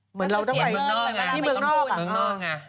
เหมือนเราจะไปเหมือนเมืองนอกอะมีเมืองนอกอะ